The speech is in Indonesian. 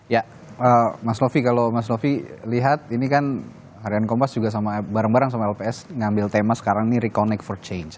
ya mas novi kalau mas novi lihat ini kan harian kompas juga sama bareng bareng sama lps ngambil tema sekarang nih reconnect for change